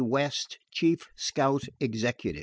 West Chief Scout Executive.